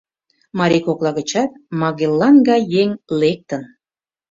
Марий кокла гычат Магеллан гай еҥ лектын!